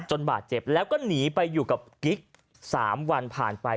บาดเจ็บแล้วก็หนีไปอยู่กับกิ๊ก๓วันผ่านไป